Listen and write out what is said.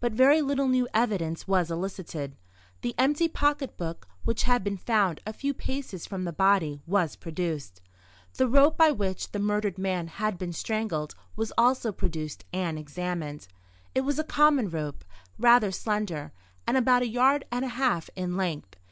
But very little new evidence was elicited. The empty pocket book, which had been found a few paces from the body, was produced. The rope by which the murdered man had been strangled was also produced and examined. It was a common rope, rather slender, and about a yard and a half in length.